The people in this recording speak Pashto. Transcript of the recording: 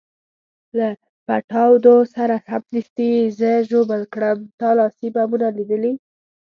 له پټاودو سره سمدستي یې زه ژوبل کړم، تا لاسي بمونه لیدلي؟